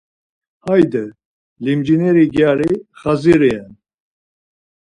Hayde limcineri gyari xaziri ren.